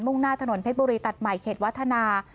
่งหน้าถนนเพชรบุรีตัดใหม่เขตวัฒนา